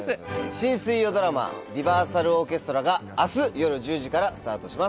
新水曜ドラマ『リバーサルオーケストラ』が明日夜１０時からスタートします。